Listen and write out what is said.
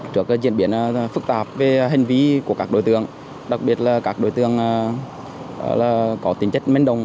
trước diễn biến phức tạp về hình vĩ của các đối tượng đặc biệt là các đối tượng có tính chất mênh đồng